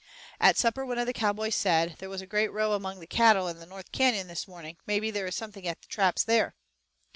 At supper one of the cowboys said, "There was a great row among the cattle in the north canyon this morning, maybe there is something in the traps there."